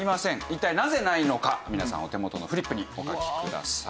一体なぜないのか皆さんお手元のフリップにお書きください。